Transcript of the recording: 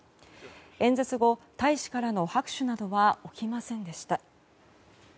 演説後、大使からの拍手などは起きませんでした。